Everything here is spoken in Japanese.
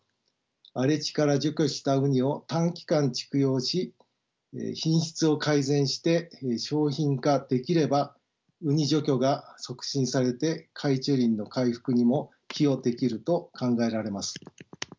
荒れ地から除去したウニを短期間蓄養し品質を改善して商品化できればウニ除去が促進されて海中林の回復にも寄与できると考えられます。